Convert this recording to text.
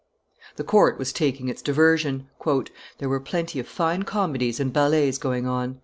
The court was taking its diversion. "There were plenty of fine comedies and ballets going on.